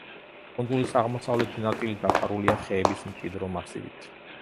კუნძულის აღმოსავლეთი ნაწილი დაფარულია ხეების მჭიდრო მასივით.